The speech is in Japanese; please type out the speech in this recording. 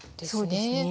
そうですね。